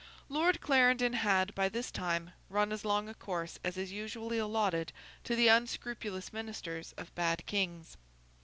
Lord Clarendon had, by this time, run as long a course as is usually allotted to the unscrupulous ministers of bad kings.